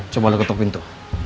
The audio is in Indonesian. coba lu ketuk pintu